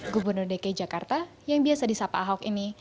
gubernur dki jakarta yang biasa disapa ahok ini